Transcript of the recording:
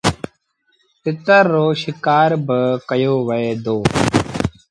تتر رو شڪآر با ڪيو وهي دو۔